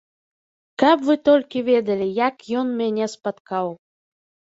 Каб вы толькі ведалі, як ён мяне спаткаў!